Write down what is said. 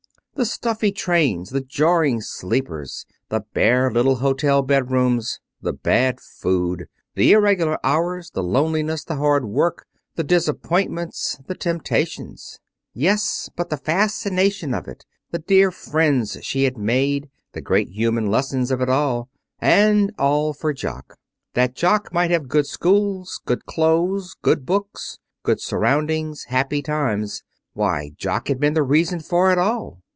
The stuffy trains, the jarring sleepers, the bare little hotel bedrooms, the bad food, the irregular hours, the loneliness, the hard work, the disappointments, the temptations. Yes but the fascination of it, the dear friends she had made, the great human lesson of it all! And all for Jock. That Jock might have good schools, good clothes, good books, good surroundings, happy times. Why, Jock had been the reason for it all!